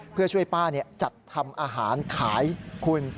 เพื่อช่วยป้าจัดทำอาหารขายคุณ